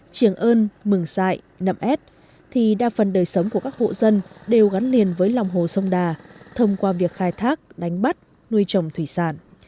trường ơn mường sại nậm ết thì đa phần đời sống của các hộ dân đều gắn liền với lòng hồ sông đà thông qua việc khai thác đánh bắt nuôi trồng thủy sản